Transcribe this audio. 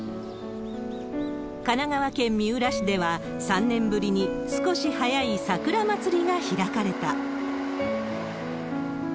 神奈川県三浦市では、３年ぶりに少し早い桜まつりが開かれた。